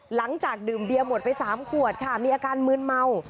หลังจากดื่มเบียร์หมดไป๓ขวดค่ะมีอาการมืนเมา